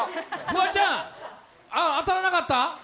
フワちゃん当たらなかった？